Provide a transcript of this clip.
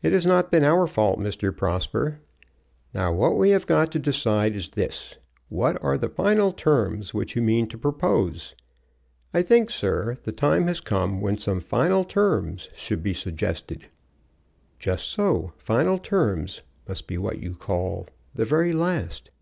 "It has not been our fault, Mr. Prosper. Now what we have got to decide is this: What are the final terms which you mean to propose? I think, sir, the time has come when some final terms should be suggested." "Just so. Final terms must be what you call the very last.